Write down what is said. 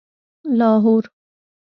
لاهور